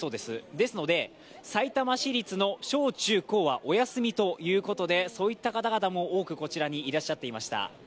ですので、さいたま市立の小中高はお休みということで、そういった方も多くこちらにいらっしゃっていました。